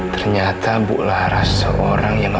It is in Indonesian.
ternyata bularas seorang yang mabuk